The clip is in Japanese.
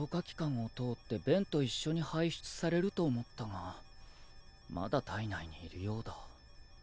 器官を通って便と一緒に排出されると思ったがまだ体内にいるようだ。